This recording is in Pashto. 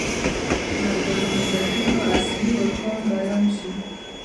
د ملګرو ملتونو اصلي ارکان بیان شي.